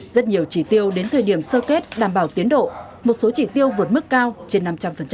rất nhiều chỉ tiêu đến thời điểm sơ kết đảm bảo tiến độ một số chỉ tiêu vượt mức cao trên năm trăm linh